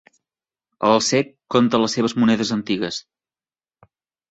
El cec compta les seves monedes antigues.